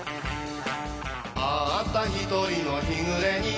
「たった一人の日暮れに」